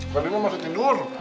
tadi emang masih tidur